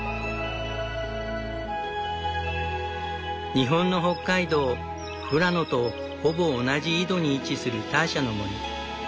日本の北海道富良野とほぼ同じ緯度に位置するターシャの森。